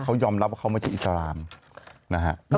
เขายอมรับว่าเขาไม่ใช่อิสรามนะฮะ